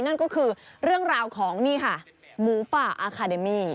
นั่นก็คือเรื่องราวของนี่ค่ะหมูป่าอาคาเดมี่